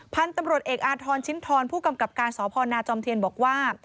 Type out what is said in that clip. พันธุ์ตำรวจเอกอาทรชิ้นทรผู้กำกับการสพนาจอมเทียนบอกว่า